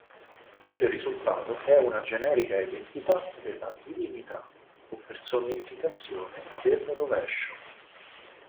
Il risultato è una generica identità della divinità o personificazione del rovescio.